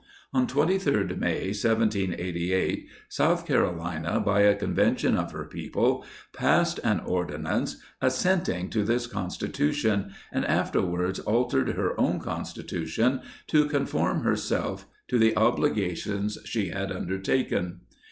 On 23d May, 1788, South Carolina, by "a Convention of her people, passed an Ordinance assenting to this Constitution, and afterwards altered her own Constitution, to conform herself to the obligations she had undertaken.